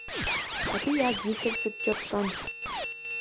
Абы ягу илъыр сыткӀэ пщӀэн?